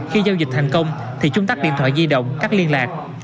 khi giao dịch thành công thì chúng tắt điện thoại di động cắt liên lạc